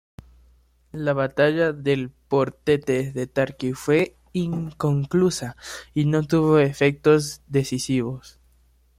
La batalla del Portete de Tarqui fue inconclusa y no tuvo efectos decisivos.